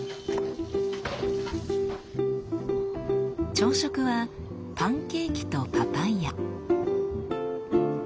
朝食はパンケーキとパパイヤ。